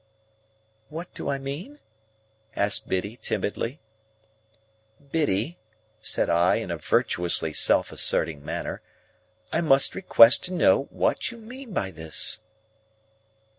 "What do I mean?" asked Biddy, timidly. "Biddy," said I, in a virtuously self asserting manner, "I must request to know what you mean by this?"